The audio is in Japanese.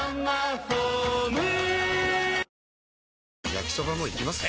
焼きソバもいきます？